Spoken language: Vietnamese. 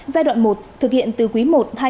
giai đoạn một thực hiện từ quý một hai nghìn hai mươi hai